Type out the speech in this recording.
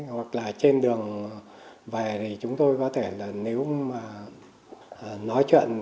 hoặc là trên đường về thì chúng tôi có thể là nếu mà nói chuyện